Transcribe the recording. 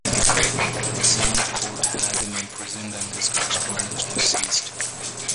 The same court had him imprisoned and his correspondence was seized.